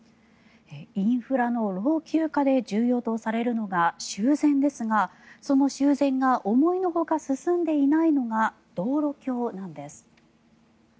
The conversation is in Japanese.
インフラの老朽化で重要とされるのが修繕ですがその修繕が思いのほか進んでいないのが道路橋なんです。